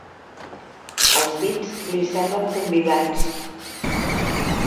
Els dits li semblen convidats.